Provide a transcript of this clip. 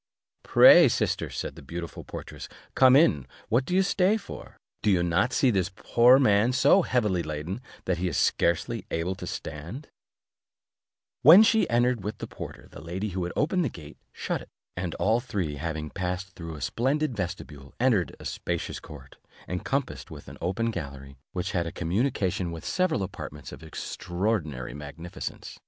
"Pray, Sister," said the beautiful portress, "come in, what do you stay for? Do not you see this poor man so heavy laden, that he is scarcely able to stand," When she entered with the porter, the lady who had opened the gate shut it, and all three, after having passed through a splendid vestibule, entered a spacious court, encompassed with an open gallery, which had a communication with several apartments of extraordinary magnificence.